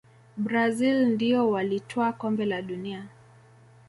brazil ndio walitwaa kombe la dunia